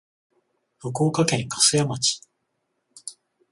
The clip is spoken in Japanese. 福岡県粕屋町